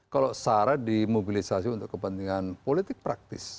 kalau sarah dimobilisasi untuk kepentingan politik praktis